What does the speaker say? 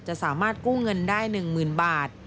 สามารถกู้เงินได้๑๐๐๐บาท